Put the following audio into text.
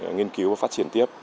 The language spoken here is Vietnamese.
nghiên cứu và phát triển tiếp